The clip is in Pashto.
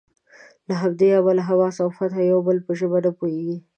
له همدې امله حماس او فتح د یو بل په ژبه نه پوهیږي.